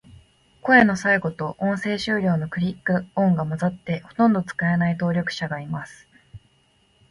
声の最後と、録音終了のクリック音が混ざって、ほとんど使えない登録者がいます。